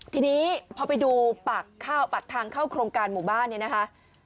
ทีนี้พอไปดูปากข้าวปากทางเข้าโครงการหมู่บ้านเนี่ยนะคะ